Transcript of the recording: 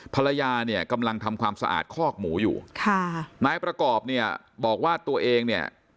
ภรรยาเนี่ยกำลังทำความสะอาดคอกหมูอยู่ค่ะนายประกอบเนี่ยบอกว่าตัวเองเนี่ย